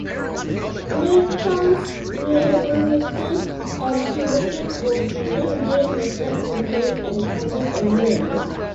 Leighton's reliability and terrific will to win gained respect from players and pundits everywhere.